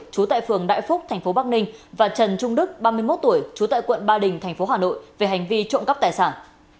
chú tại phường đại phúc thành phố bắc ninh và trần trung đức ba mươi một tuổi trú tại quận ba đình tp hà nội về hành vi trộm cắp tài sản